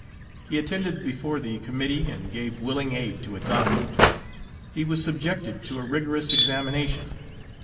He attended before the Committee and gave willing aid to its object. He was subjected to a rigorous examination.